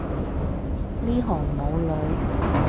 呢行冇女